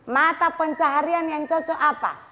mata pencaharian c cuatro apa